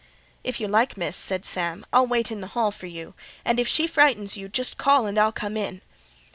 "If you like, miss," said Sam, "I'll wait in the hall for you; and if she frightens you, just call and I'll come in."